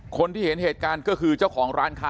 คนที่เห็นเหตุการณ์ก็คือเจ้าของร้านค้า